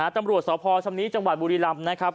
ตำรวจสพชำนี้จังหวัดบุรีรำนะครับ